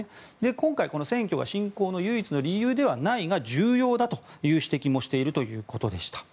今回、この選挙が侵攻の唯一の理由ではないが重要だという指摘もしているということでした。